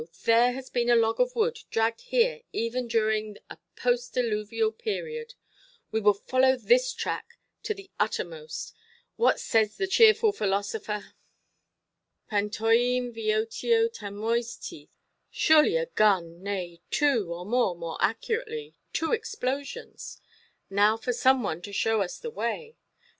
there has been a log of wood dragged here even during a post–diluvial period: we will follow this track to the uttermost; what says the cheerful philosopher:—'παντοίην βιότοιο τάμοις ὁδόν'. Surely a gun, nay, two, or, more accurately, two explosions; now for some one to show us the way.